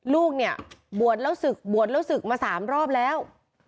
ลูกเนี่ยบวชแล้วศึกบวชแล้วศึกมา๓รอบแล้ว